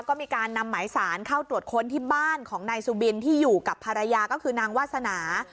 ก็มีการนำหมายสารเข้าตรวจค้นที่บ้านของนายสุบินที่อยู่กับภรรยาก็คือนางวาสนา